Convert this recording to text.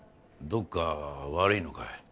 どっか悪いのかい？